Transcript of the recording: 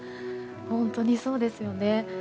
本当にそうですよね。